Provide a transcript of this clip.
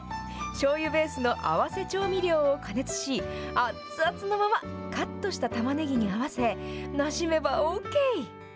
しょうゆベースの合わせ調味料を加熱し、あっつあつのまま、カットしたたまねぎに合わせ、なじめばＯＫ。